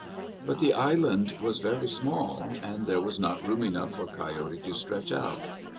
But the island was very small, and there was not room enough for Coyote to stretch out.